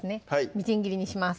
みじん切りにします